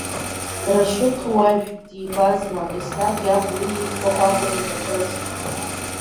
Рашьыҭ уажә дибазма, еснагь иаб уи иӡбахә акәын иҿакыз.